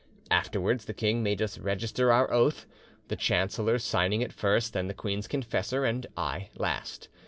"'Afterwards the king made us register our oath, the chancellor signing it first, then the queen's confessor, and I last.